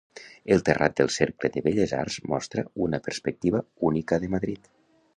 El terrat del Cercle de Belles Arts mostra una perspectiva única de Madrid.